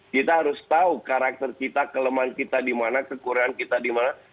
kita harus tahu karakter kita kelemahan kita di mana kekurangan kita di mana